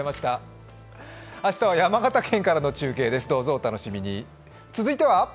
明日は山形県からの中継です、どうぞお楽しみに。